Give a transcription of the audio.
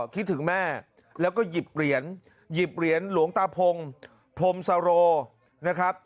คิดถึงแม่แล้วก็หยิบเหรียญหยิบเหรียญหลวงตาพงพรมสโรนะครับ